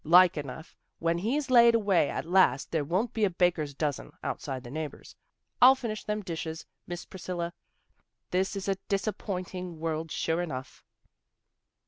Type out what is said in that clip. Like enough when he's laid away at last there won't be a baker's dozen, outside the neighbors. I'll finish them dishes, Miss Priscilla. This is a disappointing world sure enough."